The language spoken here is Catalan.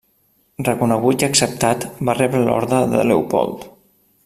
Reconegut i acceptat, va rebre l'Ordre de Leopold.